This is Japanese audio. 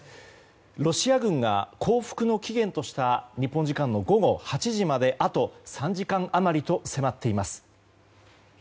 ロシア軍が降伏の期限とした日本時間の午後８時まであと３時間余りと迫っています。